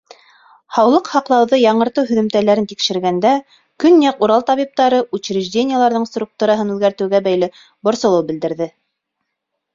Һаулыҡ һаҡлауҙы яңыртыу һөҙөмтәләрен тикшергәндә, Көньяҡ Урал табиптары учреждениеларҙың структураһын үҙгәртеүгә бәйле борсолоу белдерҙе.